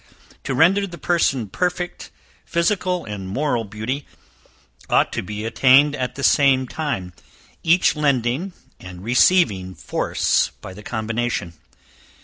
To render the person perfect, physical and moral beauty ought to be attained at the same time; each lending and receiving force by the combination.